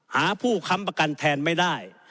หาผู้ค้ำประกันแทนไม่ได้